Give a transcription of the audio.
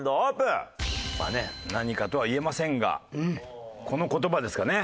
まあね何かとは言えませんがこの言葉ですかね。